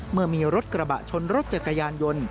เมื่อมีรถกระบะชนรถจักรยานยนต์